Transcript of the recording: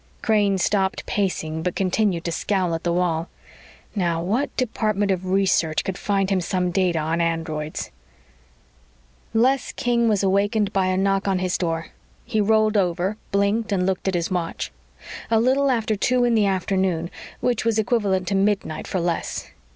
Crane stopped pacing but continued to scowl at the wall. Now, what department of research could find him some data on androids? Les King was awakened by a knock on his door. He rolled over, blinked and looked at his watch. A little after two in the afternoon, which was equivalent to midnight for Les.